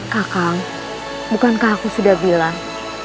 kakak bukankah aku sudah bilang